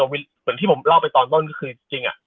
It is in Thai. เหมือนที่ผมเล่าไปตอนต้นก็คือจริง